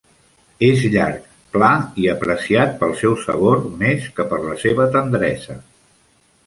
És llarg, pla i apreciat pel seu sabor més que per la seva tendresa.